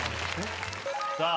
さあ。